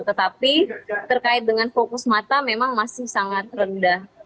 tetapi terkait dengan fokus mata memang masih sangat rendah